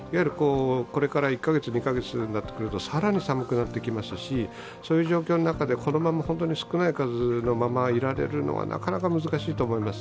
これから１月、２月になってくると更に寒くなってきますし、そういう状況の中で本当に少ない数のままいられるのは難しいと思います。